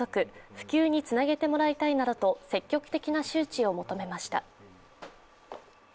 普及につなげてもらいたいなどと積極的な周知を求めました。